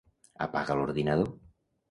Apaga l'ordinador.